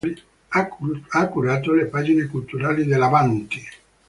Ha curato le pagine culturali dell"'Avanti!